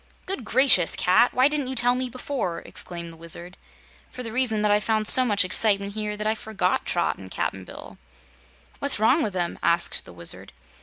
"Good gracious, Cat! Why didn't you tell me before?" exclaimed the Wizard. "For the reason that I found so much excitement here that I forgot Trot and Cap'n Bill." "What's wrong with them?" asked the Wizard.